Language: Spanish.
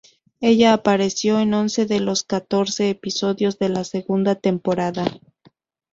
Ella apareció en once de los catorce episodios de la segunda temporada.